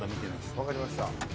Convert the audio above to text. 分かりました。